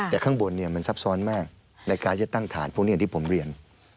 แต่ข้างบนมันซับซ้อนมากในการจะตั้งฐานพวกนี้อย่างที่ผมเรียน